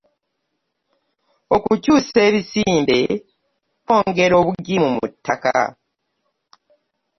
Okukyuusa ebisimbe kwongera obugimu mu ttaka.